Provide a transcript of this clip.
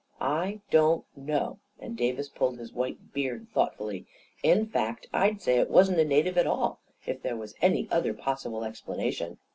"" I don't know," and Davis pulled his white beard thoughtfully. " In fact, I'd say it wasn't a native at all, if there was any other possible explanation."